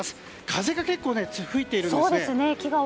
風が結構吹いているんですね。